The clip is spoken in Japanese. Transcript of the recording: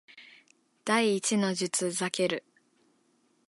第一の術ザケル